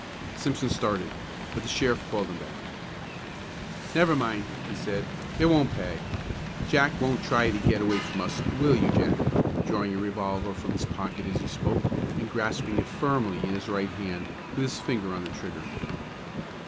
Simpson started, but the sheriff called him back. "Never mind," he said, "it won't pay; Jack won't try to get away from us, will you, Jack?" drawing a revolver from his pocket as he spoke, and grasping it firmly in his right hand, with his finger on the trigger.